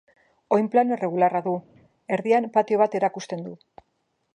Oinplano irregularra du; erdian patio bat erakusten du.